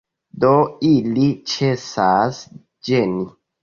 Do ili ĉesas ĝeni.